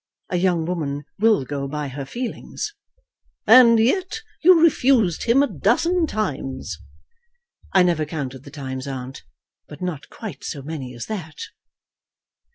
A young woman will go by her feelings." "And yet you refused him a dozen times." "I never counted the times, aunt; but not quite so many as that."